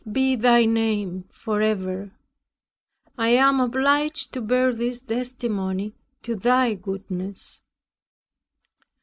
Blessed be Thy name forever. I am obliged to bear this testimony to Thy goodness.